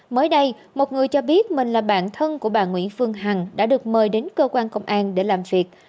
mới đây một người cho biết mình là bạn thân của bà nguyễn phương hằng đã được mời đến cơ quan công an để làm việc